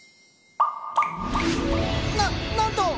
ななんと！